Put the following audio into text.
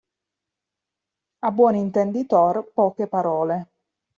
A buon intenditor, poche parole.